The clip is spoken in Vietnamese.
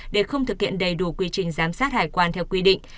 để không thực hiện đầy đủ quy trình giám sát hải quan theo quy định